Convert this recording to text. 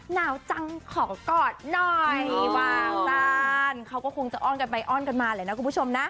หนาวจังขอกอดหน่อยวางบ้านเขาก็คงจะอ้อนกันไปอ้อนกันมาเลยนะคุณผู้ชมนะ